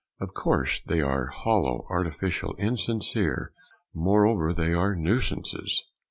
Of course they are hollow, artificial, insincere; moreover they are nuisances.